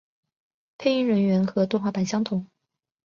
配音人员和动画版相同。